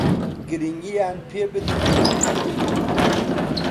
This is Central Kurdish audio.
گرنگییان پێ بدرێت